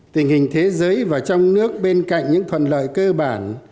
tình hình thế giới và trong nước bên cạnh những thuận lợi cơ bản